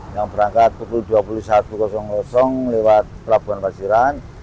yang berangkat pukul dua puluh satu lewat pelabuhan pasiran